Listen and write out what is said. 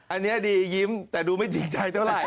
อันนี้ดียิ้มแต่ดูไม่จริงใจเท่าไหร